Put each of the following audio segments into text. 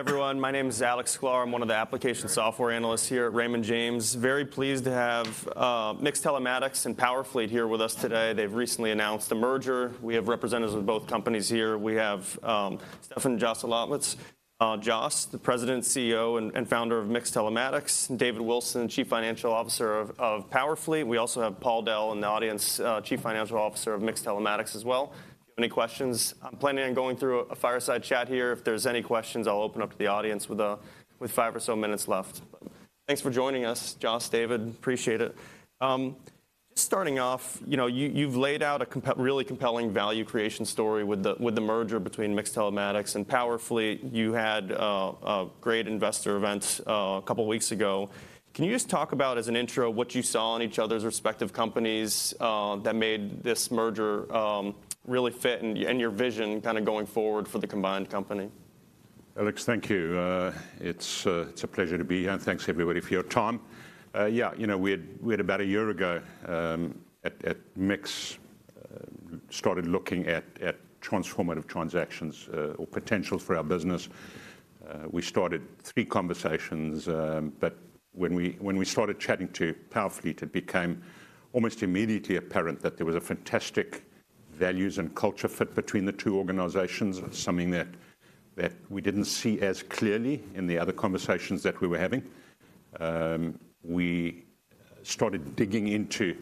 Hey everyone, my name is Alex Sklar. I'm one of the application software analysts here at Raymond James. Very pleased to have MiX Telematics and Powerfleet here with us today. They've recently announced a merger. We have representatives of both companies here. We have Stefan Joselowitz, Jos, the President, CEO, and Founder of MiX Telematics, and David Wilson, Chief Financial Officer of Powerfleet. We also have Paul Dell in the audience, Chief Financial Officer of MiX Telematics as well. Any questions? I'm planning on going through a fireside chat here. If there's any questions, I'll open up to the audience with five or so minutes left. Thanks for joining us, Jos, David, appreciate it. Starting off, you know, you've laid out a really compelling value creation story with the merger between MiX Telematics and Powerfleet. You had a great investor event a couple of weeks ago. Can you just talk about, as an intro, what you saw in each other's respective companies that made this merger really fit, and, and your vision kind of going forward for the combined company? Alex, thank you. It's a pleasure to be here, and thanks everybody for your time. Yeah, you know, we had about a year ago at MiX started looking at transformative transactions or potentials for our business. We started three conversations, but when we started chatting to Powerfleet, it became almost immediately apparent that there was a fantastic values and culture fit between the two organizations, and something that we didn't see as clearly in the other conversations that we were having. We started digging into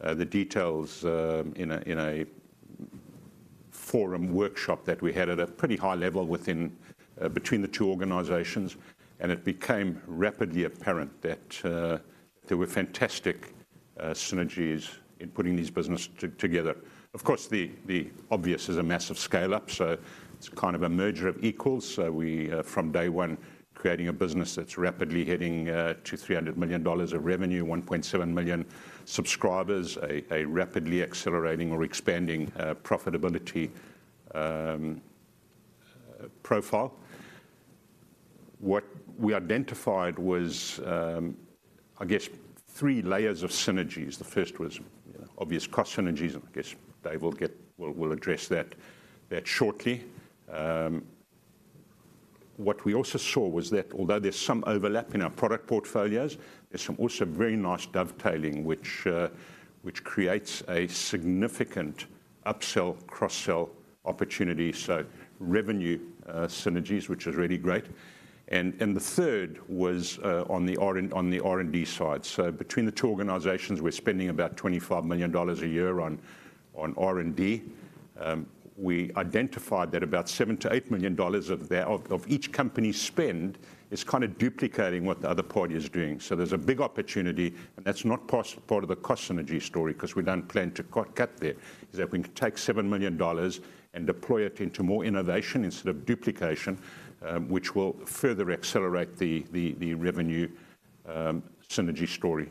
the details in a formal workshop that we had at a pretty high level within between the two organizations, and it became rapidly apparent that there were fantastic synergies in putting these businesses together. Of course, the obvious is a massive scale-up, so it's kind of a merger of equals. So we from day one, creating a business that's rapidly heading to $300 million of revenue, 1.7 million subscribers, a rapidly accelerating or expanding profitability profile. What we identified was, I guess, three layers of synergies. The first was obvious cost synergies, and I guess we'll address that shortly. What we also saw was that although there's some overlap in our product portfolios, there's some also very nice dovetailing which creates a significant upsell, cross-sell opportunity, so revenue synergies, which is really great. And the third was on the R&D side. So between the two organizations, we're spending about $25 million a year on R&D. We identified that about $7 million-$8 million of that of each company's spend is kind of duplicating what the other party is doing. So there's a big opportunity, and that's not cost, part of the cost synergy story 'cause we don't plan to cut there, is that we can take $7 million and deploy it into more innovation instead of duplication, which will further accelerate the the revenue synergy story.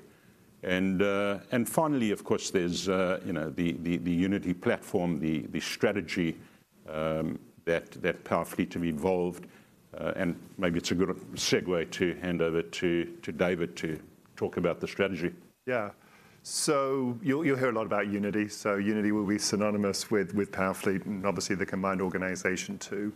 And finally, of course, there's you know, the Unity platform, the strategy that Powerfleet have evolved, and maybe it's a good segue to hand over to David to talk about the strategy. Yeah. So you'll hear a lot about Unity. So Unity will be synonymous with Powerfleet and obviously the combined organization too.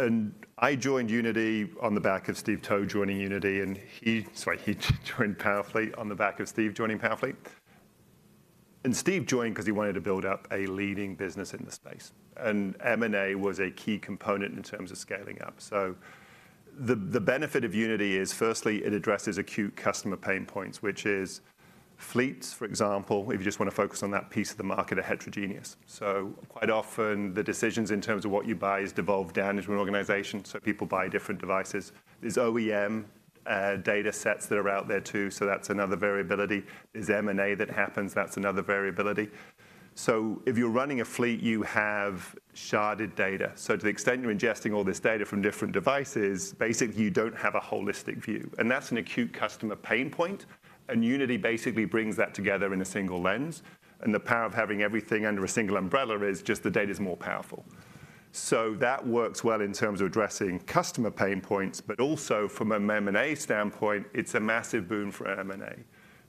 And I joined Unity on the back of Steve Towe joining Unity, and he, sorry, he joined Powerfleet on the back of Steve joining Powerfleet. And Steve joined 'cause he wanted to build up a leading business in the space, and M&A was a key component in terms of scaling up. So the benefit of Unity is, firstly, it addresses acute customer pain points, which is fleets, for example, if you just want to focus on that piece of the market, are heterogeneous. So quite often, the decisions in terms of what you buy is devolved down into an organization, so people buy different devices. There's OEM data sets that are out there too, so that's another variability. There's M&A that happens, that's another variability. So if you're running a fleet, you have sharded data. So to the extent you're ingesting all this data from different devices, basically, you don't have a holistic view. And that's an acute customer pain point, and Unity basically brings that together in a single lens, and the power of having everything under a single umbrella is just the data is more powerful. So that works well in terms of addressing customer pain points, but also from an M&A standpoint, it's a massive boon for M&A.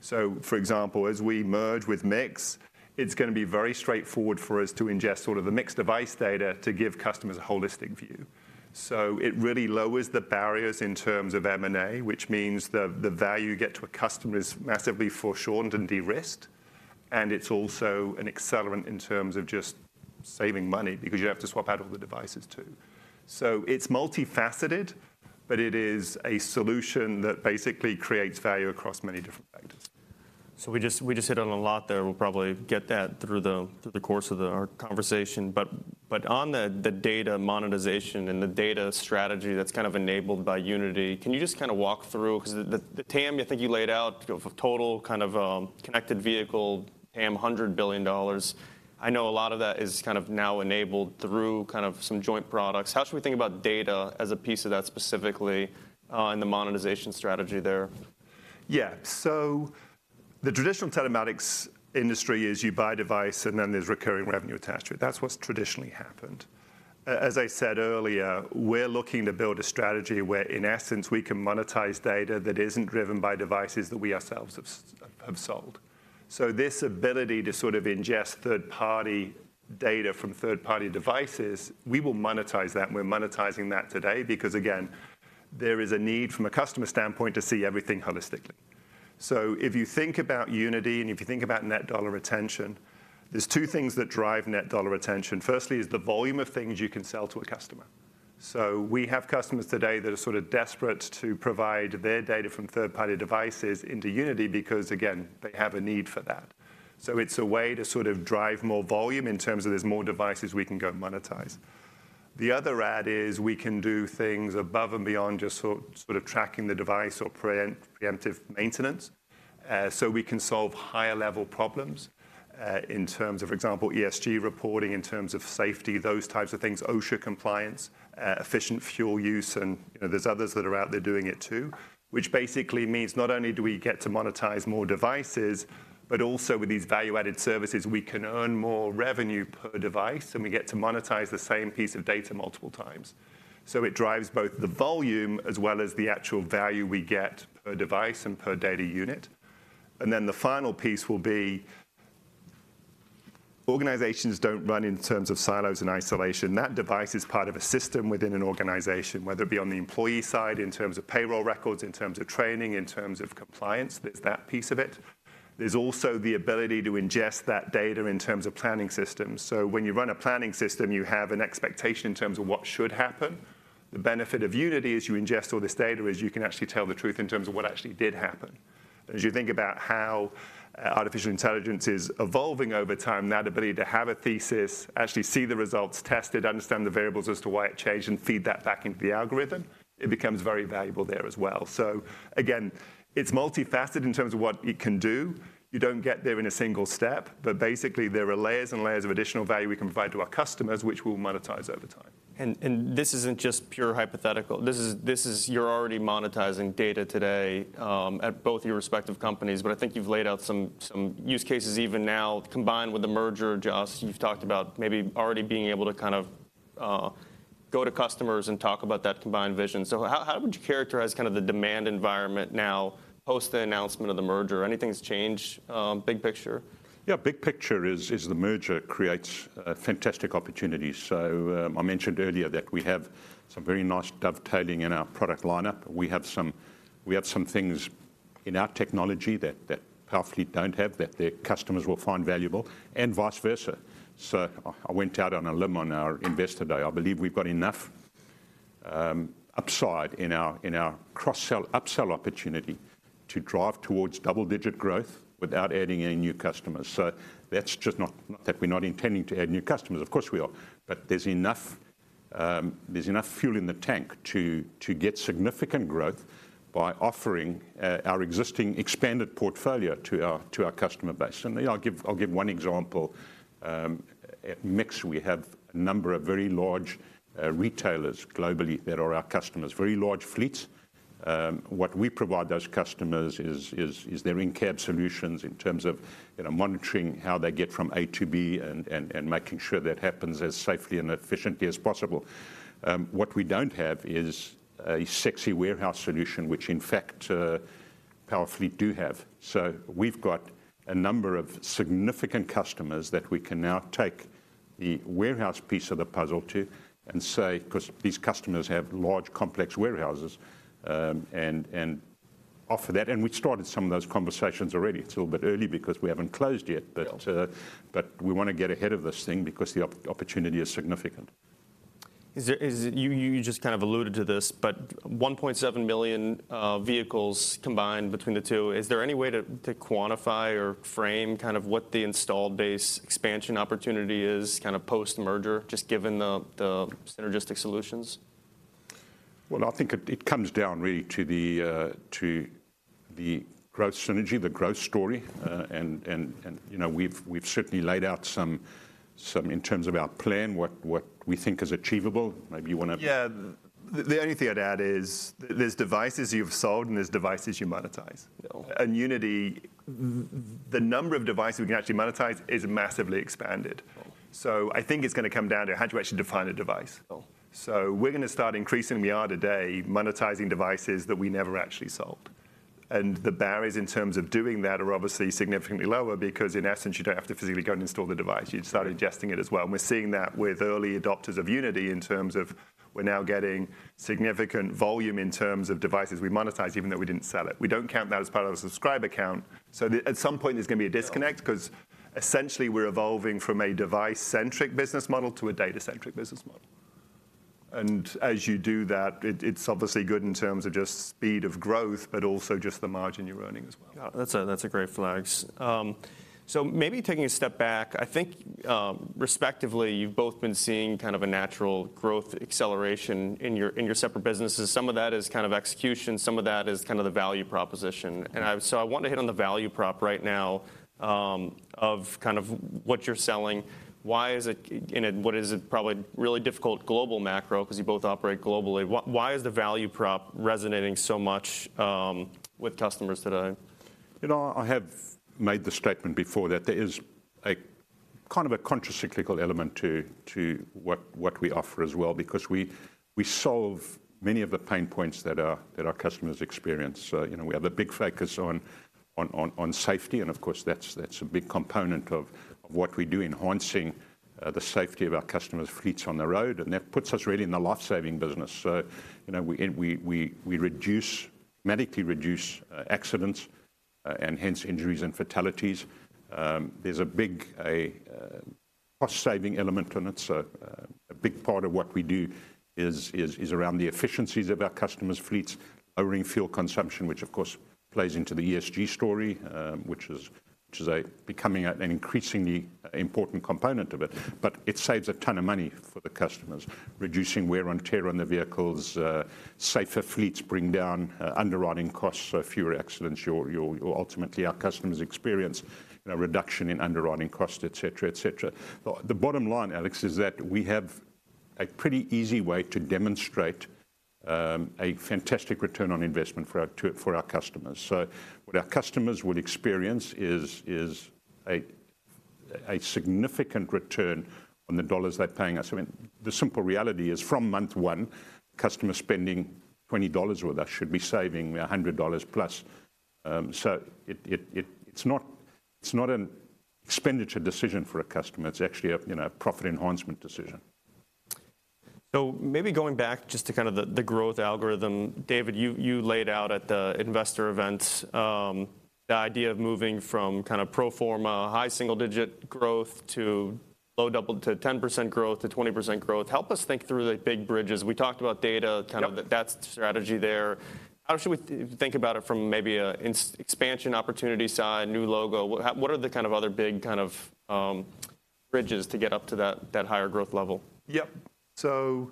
So, for example, as we merge with MiX, it's gonna be very straightforward for us to ingest sort of the MiX device data to give customers a holistic view. So it really lowers the barriers in terms of M&A, which means the value you get to a customer is massively foreshortened and de-risked, and it's also an accelerant in terms of just saving money because you have to swap out all the devices too. So it's multifaceted, but it is a solution that basically creates value across many different factors. So we just hit on a lot there. We'll probably get that through the course of our conversation. But on the data monetization and the data strategy that's kind of enabled by Unity, can you just kind of walk through—'cause the TAM, I think you laid out, of a total kind of connected vehicle TAM, $100 billion. I know a lot of that is kind of now enabled through kind of some joint products. How should we think about data as a piece of that specifically in the monetization strategy there? Yeah. So the traditional telematics industry is you buy a device, and then there's recurring revenue attached to it. That's what's traditionally happened. As I said earlier, we're looking to build a strategy where, in essence, we can monetize data that isn't driven by devices that we ourselves have sold. So this ability to sort of ingest third-party data from third-party devices, we will monetize that, and we're monetizing that today, because again, there is a need from a customer standpoint to see everything holistically. So if you think about Unity, and if you think about Net Dollar Retention, there's two things that drive Net Dollar Retention. Firstly, is the volume of things you can sell to a customer. So we have customers today that are sort of desperate to provide their data from third-party devices into Unity, because again, they have a need for that. So it's a way to sort of drive more volume in terms of there's more devices we can go monetize. The other add is, we can do things above and beyond just sort of tracking the device or preemptive maintenance, so we can solve higher level problems, in terms of, for example, ESG reporting, in terms of safety, those types of things, OSHA compliance, efficient fuel use, and, you know, there's others that are out there doing it too. Which basically means not only do we get to monetize more devices, but also with these value-added services, we can earn more revenue per device, and we get to monetize the same piece of data multiple times. So it drives both the volume as well as the actual value we get per device and per data unit. And then the final piece will be, organizations don't run in terms of silos and isolation. That device is part of a system within an organization, whether it be on the employee side, in terms of payroll records, in terms of training, in terms of compliance, there's that piece of it. There's also the ability to ingest that data in terms of planning systems. So when you run a planning system, you have an expectation in terms of what should happen. The benefit of Unity as you ingest all this data is, you can actually tell the truth in terms of what actually did happen. As you think about how artificial intelligence is evolving over time, that ability to have a thesis, actually see the results, test it, understand the variables as to why it changed, and feed that back into the algorithm, it becomes very valuable there as well. So again, it's multifaceted in terms of what it can do. You don't get there in a single step, but basically there are layers and layers of additional value we can provide to our customers, which we'll monetize over time. This isn't just pure hypothetical. This is you're already monetizing data today at both your respective companies, but I think you've laid out some use cases even now, combined with the merger, just... You've talked about maybe already being able to kind of go to customers and talk about that combined vision. So how would you characterize kind of the demand environment now, post the announcement of the merger? Anything's changed, big picture? Yeah, big picture is the merger creates fantastic opportunities. So, I mentioned earlier that we have some very nice dovetailing in our product lineup. We have some things in our technology that Powerfleet don't have, that their customers will find valuable, and vice versa. So I went out on a limb on our Investor Day. I believe we've got enough upside in our cross-sell, upsell opportunity to drive towards double-digit growth without adding any new customers. So that's just not that we're not intending to add new customers, of course we are. But there's enough fuel in the tank to get significant growth by offering our existing expanded portfolio to our customer base. And I'll give one example. At MiX, we have a number of very large retailers globally that are our customers, very large fleets. What we provide those customers is their in-cab solutions in terms of, you know, monitoring how they get from A to B and making sure that happens as safely and efficiently as possible. What we don't have is a sexy warehouse solution, which in fact, Powerfleet do have. So we've got a number of significant customers that we can now take the warehouse piece of the puzzle to and say, 'cause these customers have large, complex warehouses, and offer that. And we've started some of those conversations already. It's a little bit early because we haven't closed yet, but- Yeah... but we wanna get ahead of this thing because the opportunity is significant. You just kind of alluded to this, but 1.7 million vehicles combined between the two. Is there any way to quantify or frame kind of what the installed base expansion opportunity is, kind of post-merger, just given the synergistic solutions? Well, I think it comes down really to the growth synergy, the growth story. And you know, we've certainly laid out some in terms of our plan, what we think is achievable. Maybe you wanna- Yeah. The only thing I'd add is, there's devices you've sold, and there's devices you monetize. Yeah. Unity, the number of devices we can actually monetize is massively expanded. Yeah. I think it's gonna come down to how do you actually define a device? Yeah. So we're gonna start increasing, we are today, monetizing devices that we never actually sold. The barriers in terms of doing that are obviously significantly lower, because in essence, you don't have to physically go and install the device. You start ingesting it as well. We're seeing that with early adopters of Unity in terms of we're now getting significant volume in terms of devices we monetize, even though we didn't sell it. We don't count that as part of a subscriber count. So the, at some point, there's gonna be a disconnect- Yeah... 'cause essentially, we're evolving from a device-centric business model to a data-centric business model. As you do that, it's obviously good in terms of just speed of growth, but also just the margin you're earning as well. Yeah, that's a great flags. So maybe taking a step back, I think, respectively, you've both been seeing kind of a natural growth acceleration in your separate businesses. Some of that is kind of execution, some of that is kind of the value proposition. Yeah. So I want to hit on the value prop right now, of kind of, what you're selling. Why is it, and in what is it probably really difficult global macro, 'cause you both operate globally. Why is the value prop resonating so much, with customers today? You know, I have made the statement before that there is kind of a countercyclical element to what we offer as well, because we solve many of the pain points that our customers experience. You know, we have a big focus on safety, and of course, that's a big component of what we do, enhancing the safety of our customers' fleets on the road, and that puts us really in the life-saving business. So, you know, and we dramatically reduce accidents, and hence injuries and fatalities. There's a big cost-saving element to it, so a big part of what we do is around the efficiencies of our customers' fleets, lowering fuel consumption, which of course plays into the ESG story, which is becoming an increasingly important component of it. But it saves a ton of money for the customers, reducing wear and tear on the vehicles, safer fleets bring down underwriting costs, so fewer accidents, ultimately our customers experience, you know, a reduction in underwriting costs, et cetera, et cetera. The bottom line, Alex, is that we have a pretty easy way to demonstrate a fantastic return on investment for our customers. So what our customers would experience is a significant return on the dollars they're paying us. I mean, the simple reality is, from month one, customers spending $20 with us should be saving $100+. So it's not an expenditure decision for a customer. It's actually a, you know, a profit enhancement decision. So maybe going back just to kind of the growth algorithm, David, you laid out at the investor event, the idea of moving from kind of pro forma high single-digit growth to low double to 10% growth to 20% growth. Help us think through the big bridges. We talked about data- Yep. Kind of that's the strategy there. How should we think about it from maybe an expansion opportunity side, new logo? What, what are the kind of other big kind of bridges to get up to that higher growth level? Yep. So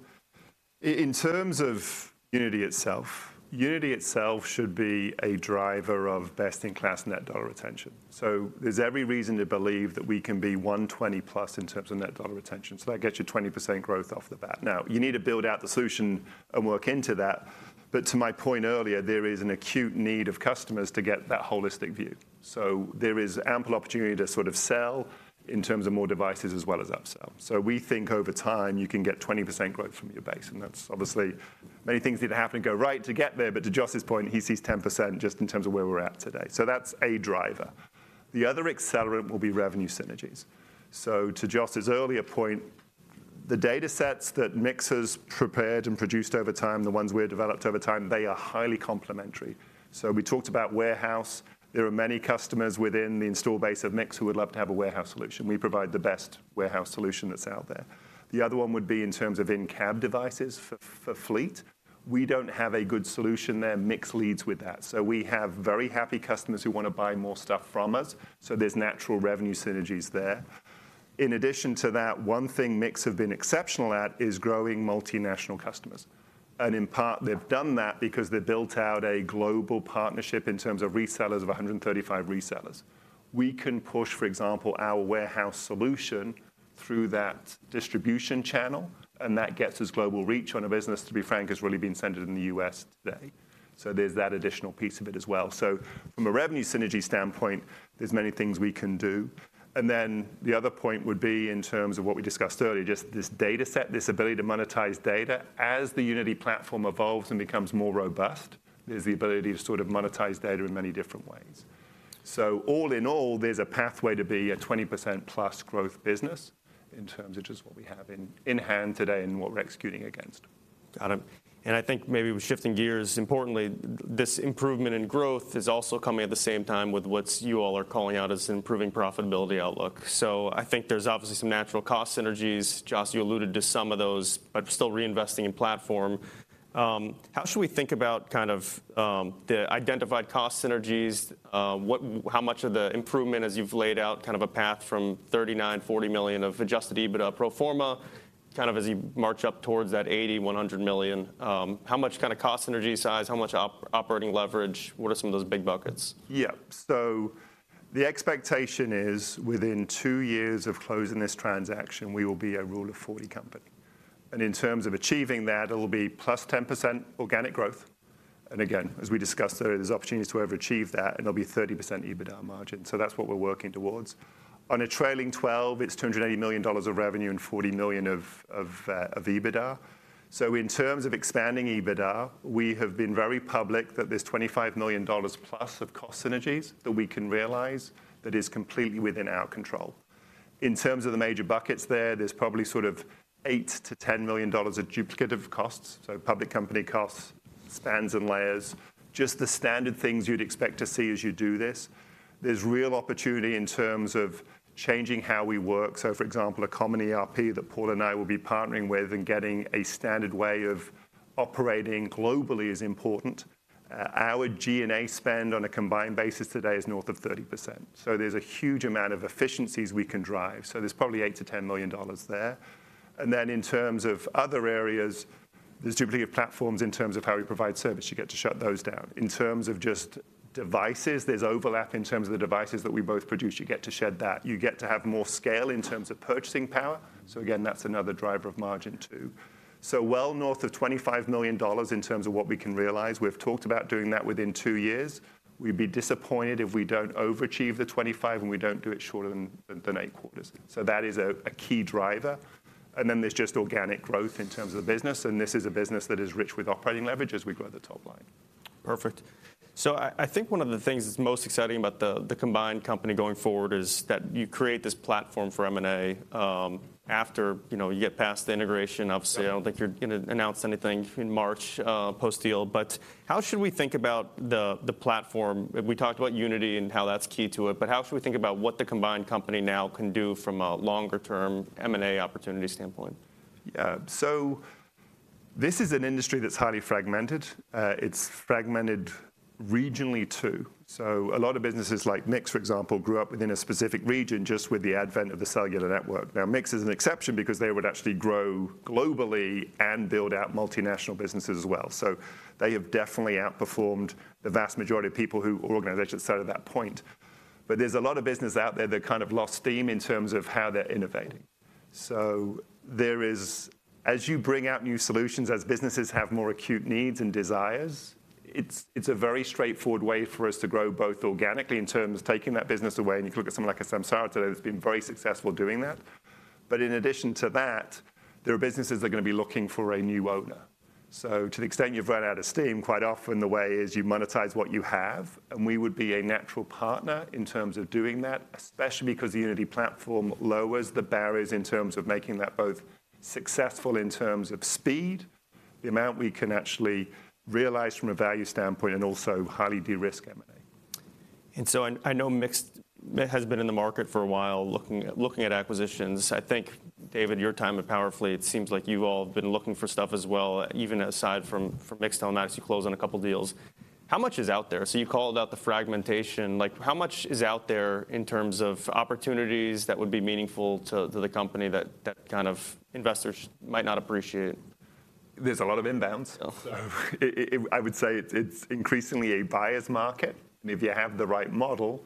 in terms of Unity itself, Unity itself should be a driver of best-in-class net dollar retention. So there's every reason to believe that we can be 120+ in terms of net dollar retention, so that gets you 20% growth off the bat. Now, you need to build out the solution and work into that, but to my point earlier, there is an acute need of customers to get that holistic view. So there is ample opportunity to sort of sell in terms of more devices as well as upsell. So we think over time you can get 20% growth from your base, and that's obviously... Many things need to happen and go right to get there, but to Jos's point, he sees 10% just in terms of where we're at today. So that's a driver. The other accelerant will be revenue synergies. So to Jos's earlier point, the datasets that MiX has prepared and produced over time, the ones we have developed over time, they are highly complementary. So we talked about warehouse. There are many customers within the install base of MiX who would love to have a warehouse solution. We provide the best warehouse solution that's out there. The other one would be in terms of in-cab devices for fleet. We don't have a good solution there. MiX leads with that. So we have very happy customers who want to buy more stuff from us, so there's natural revenue synergies there. In addition to that, one thing MiX have been exceptional at is growing multinational customers, and in part, they've done that because they built out a global partnership in terms of resellers of 135 resellers. We can push, for example, our warehouse solution through that distribution channel, and that gets us global reach on a business, to be frank, has really been centered in the U.S. today. So there's that additional piece of it as well. So from a revenue synergy standpoint, there's many things we can do. And then the other point would be in terms of what we discussed earlier, just this dataset, this ability to monetize data. As the Unity platform evolves and becomes more robust, there's the ability to sort of monetize data in many different ways. So all in all, there's a pathway to be a 20%+ growth business in terms of just what we have in hand today and what we're executing against. Got it. And I think maybe with shifting gears, importantly, this improvement in growth is also coming at the same time with what's you all are calling out as improving profitability outlook. So I think there's obviously some natural cost synergies. Jos, you alluded to some of those, but still reinvesting in platform. How should we think about kind of, the identified cost synergies? What, how much of the improvement as you've laid out, kind of a path from $39-$40 million of Adjusted EBITDA pro forma, kind of as you march up towards that $80-$100 million, how much kind of cost synergy size, how much operating leverage? What are some of those big buckets? Yeah. So the expectation is within two years of closing this transaction, we will be a Rule of Forty company. And in terms of achieving that, it'll be +10% organic growth, and again, as we discussed earlier, there's opportunities to overachieve that, and it'll be 30% EBITDA margin. So that's what we're working towards. On a trailing twelve, it's $280 million of revenue and $40 million of EBITDA. So in terms of expanding EBITDA, we have been very public that there's $25 million+ of cost synergies that we can realize that is completely within our control. In terms of the major buckets there, there's probably sort of $8 million-$10 million of duplicative costs, so public company costs, spans and layers, just the standard things you'd expect to see as you do this. There's real opportunity in terms of changing how we work. So, for example, a common ERP that Paul and I will be partnering with and getting a standard way of operating globally is important. Our G&A spend on a combined basis today is north of 30%, so there's a huge amount of efficiencies we can drive, so there's probably $8 million-$10 million there. And then in terms of other areas, there's duplicate platforms in terms of how we provide service. You get to shut those down. In terms of just devices, there's overlap in terms of the devices that we both produce. You get to shed that. You get to have more scale in terms of purchasing power, so again, that's another driver of margin, too. So well north of $25 million in terms of what we can realize. We've talked about doing that within two years. We'd be disappointed if we don't overachieve the 25 and we don't do it shorter than eight quarters. So that is a key driver, and then there's just organic growth in terms of the business, and this is a business that is rich with operating leverage as we grow the top line. Perfect. So I think one of the things that's most exciting about the combined company going forward is that you create this platform for M&A, after, you know, you get past the integration. Obviously, I don't think you're gonna announce anything in March, post-deal, but how should we think about the platform? We talked about Unity and how that's key to it, but how should we think about what the combined company now can do from a longer-term M&A opportunity standpoint? Yeah, so this is an industry that's highly fragmented. It's fragmented regionally, too. So a lot of businesses, like MiX, for example, grew up within a specific region just with the advent of the cellular network. Now, MiX is an exception because they would actually grow globally and build out multinational businesses as well. So they have definitely outperformed the vast majority of people who or organizations started at that point. But there's a lot of businesses out there that kind of lost steam in terms of how they're innovating. So there is. As you bring out new solutions, as businesses have more acute needs and desires, it's a very straightforward way for us to grow, both organically in terms of taking that business away, and you look at someone like Samsara today that's been very successful doing that. In addition to that, there are businesses that are gonna be looking for a new owner. To the extent you've run out of steam, quite often the way is you monetize what you have, and we would be a natural partner in terms of doing that, especially because the Unity platform lowers the barriers in terms of making that both successful in terms of speed, the amount we can actually realize from a value standpoint, and also highly de-risk M&A. And so, I know MiX has been in the market for a while, looking at acquisitions. I think, David, your time at Powerfleet, it seems like you've all been looking for stuff as well, even aside from MiX till now as you close on a couple of deals. How much is out there? So you called out the fragmentation, like, how much is out there in terms of opportunities that would be meaningful to the company that kind of investors might not appreciate? There's a lot of inbounds. Oh. So I would say it's increasingly a buyer's market, and if you have the right model,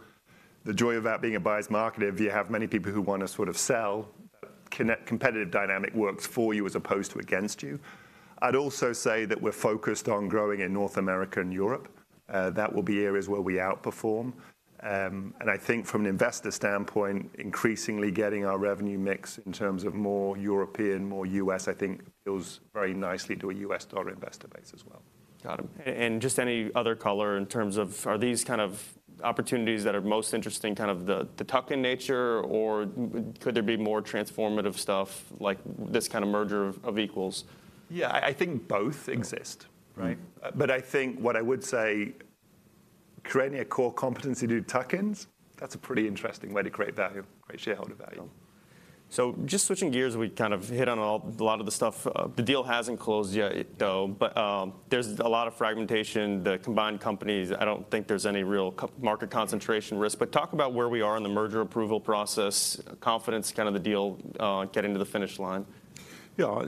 the joy about being a buyer's market, if you have many people who want to sort of sell, competitive dynamic works for you as opposed to against you. I'd also say that we're focused on growing in North America and Europe. That will be areas where we outperform. And I think from an investor standpoint, increasingly getting our revenue mix in terms of more European, more U.S., I think, goes very nicely to a U.S. dollar investor base as well. Got it. And just any other color in terms of are these kind of opportunities that are most interesting, kind of the tuck-in nature, or could there be more transformative stuff like this kind of merger of equals? Yeah, I think both exist, right? Mm-hmm. I think what I would say, creating a core competency to do tuck-ins, that's a pretty interesting way to create value, create shareholder value. So just switching gears, we kind of hit on a lot of the stuff. The deal hasn't closed yet, though, but there's a lot of fragmentation. The combined companies, I don't think there's any real market concentration risk, but talk about where we are in the merger approval process, confidence kind of the deal getting to the finish line. Yeah,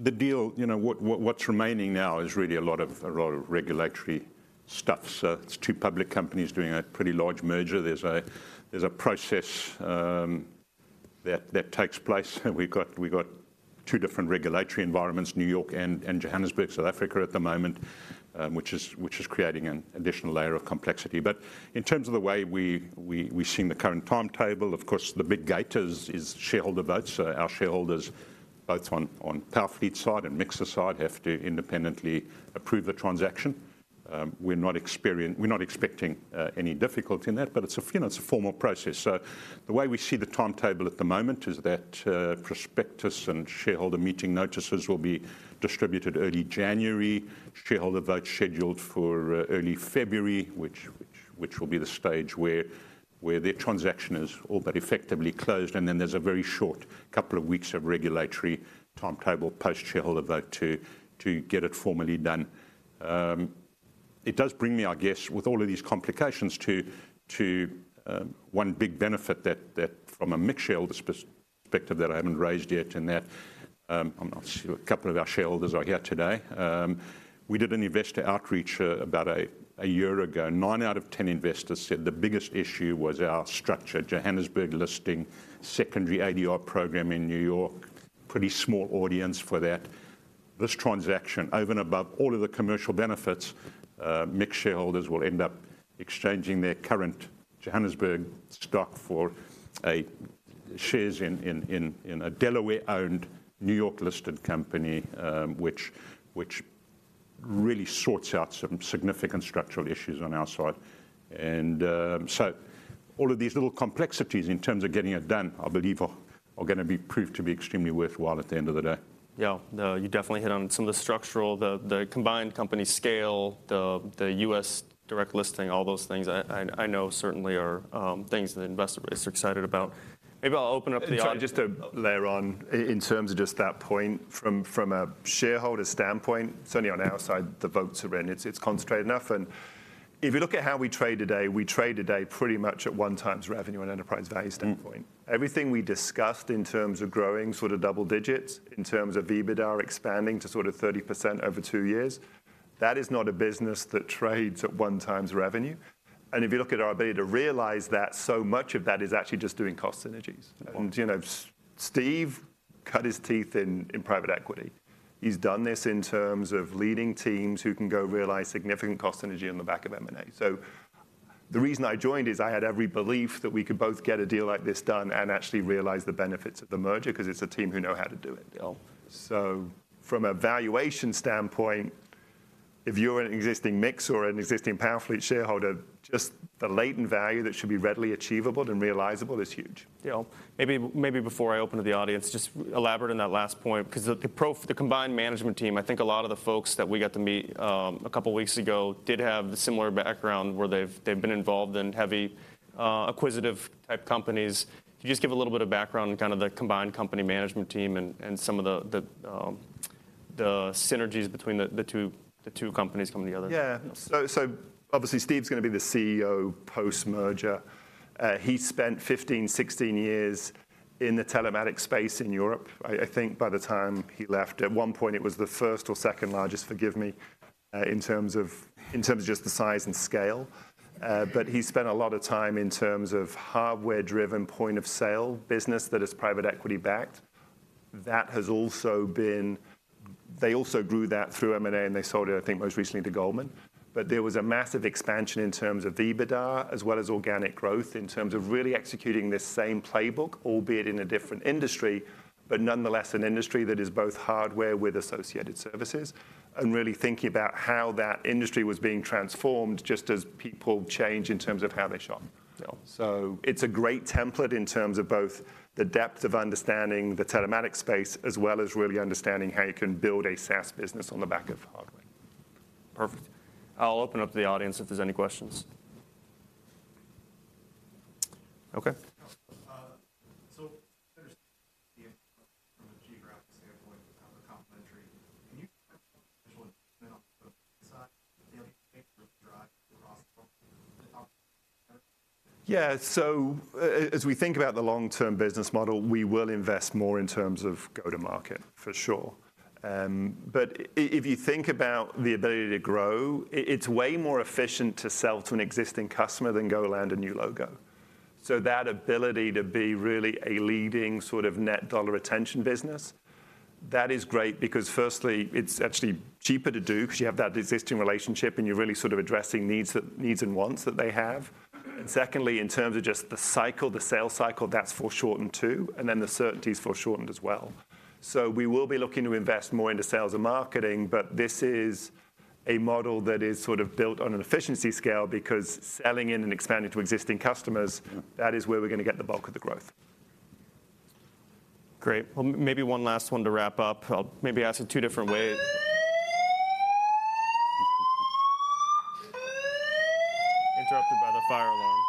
the deal, you know, what's remaining now is really a lot of regulatory stuff. So it's two public companies doing a pretty large merger. There's a process that takes place, and we've got two different regulatory environments, New York and Johannesburg, South Africa, at the moment, which is creating an additional layer of complexity. But in terms of the way we've seen the current timetable, of course, the big gate is shareholder votes. Our shareholders, both on Powerfleet's side and MiX's side, have to independently approve the transaction. We're not expecting any difficulty in that, but it's a, you know, it's a formal process. So the way we see the timetable at the moment is that prospectus and shareholder meeting notices will be distributed early January, shareholder vote scheduled for early February, which will be the stage where the transaction is all but effectively closed, and then there's a very short couple of weeks of regulatory timetable post-shareholder vote to get it formally done. It does bring me, I guess, with all of these complications to one big benefit that from a MiX shareholders perspective that I haven't raised yet, and that I'm not sure a couple of our shareholders are here today. We did an investor outreach about a year ago. Nine out of ten investors said the biggest issue was our structure: Johannesburg listing, secondary ADR program in New York. Pretty small audience for that. This transaction, over and above all of the commercial benefits, MiX shareholders will end up exchanging their current Johannesburg stock for shares in a Delaware-owned, New York-listed company, which really sorts out some significant structural issues on our side. So all of these little complexities in terms of getting it done, I believe, are gonna be proved to be extremely worthwhile at the end of the day. Yeah. No, you definitely hit on some of the structural, the combined company scale, the U.S. direct listing, all those things I know certainly are things the investor base are excited about. Maybe I'll open up the- Just to layer on in terms of just that point, from a shareholder standpoint, certainly on our side, the votes are in. It's concentrated enough, and if you look at how we trade today, pretty much at 1x revenue and enterprise value standpoint. Mm-hmm. Everything we discussed in terms of growing sort of double digits, in terms of EBITDA expanding to sort of 30% over two years, that is not a business that trades at 1x revenue. And if you look at our ability to realize that, so much of that is actually just doing cost synergies. Mm. You know, Steve cut his teeth in private equity. He's done this in terms of leading teams who can go realize significant cost synergy on the back of M&A. The reason I joined is I had every belief that we could both get a deal like this done and actually realize the benefits of the merger, because it's a team who know how to do it deal. So from a valuation standpoint, if you're an existing MiX or an existing Powerfleet shareholder, just the latent value that should be readily achievable and realizable is huge. Yeah. Maybe, maybe before I open to the audience, just elaborate on that last point, because the combined management team, I think a lot of the folks that we got to meet, a couple of weeks ago did have the similar background, where they've, they've been involved in heavy, acquisitive type companies. Can you just give a little bit of background on kind of the combined company management team and, and some of the, the, the synergies between the, the two, the two companies coming together? Yeah. So, obviously, Steve's going to be the CEO post-merger. He spent 15, 16 years in the telematics space in Europe. I think by the time he left, at one point, it was the first or second largest, forgive me, in terms of just the size and scale. But he spent a lot of time in terms of hardware-driven point of sale business that is private equity-backed. That has also been... They also grew that through M&A, and they sold it, I think, most recently to Goldman. There was a massive expansion in terms of EBITDA, as well as organic growth, in terms of really executing this same playbook, albeit in a different industry, but nonetheless, an industry that is both hardware with associated services and really thinking about how that industry was being transformed, just as people change in terms of how they shop. Yeah. It's a great template in terms of both the depth of understanding the telematics space, as well as really understanding how you can build a SaaS business on the back of hardware. Perfect. I'll open up to the audience if there's any questions. Okay. So there's the, from a geographic standpoint, the complementary. Can you- Yeah. So as we think about the long-term business model, we will invest more in terms of go-to-market, for sure. But if you think about the ability to grow, it's way more efficient to sell to an existing customer than go land a new logo. So that ability to be really a leading sort of net dollar retention business, that is great because firstly, it's actually cheaper to do because you have that existing relationship, and you're really sort of addressing needs and wants that they have. Secondly, in terms of just the cycle, the sales cycle, that's foreshortened too, and then the certainty is foreshortened as well. We will be looking to invest more into sales and marketing, but this is a model that is sort of built on an efficiency scale because selling in and expanding to existing customers, that is where we're going to get the bulk of the growth. Great. Well, maybe one last one to wrap up. I'll maybe ask it two different ways - Interrupted by the fire alarm.